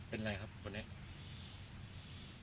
เป็นอะไรครับคนนี้